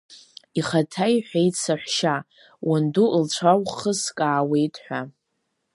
Ихаҭа иҳәеит саҳәшьа, уанду лцәа ухыскаауеит ҳәа.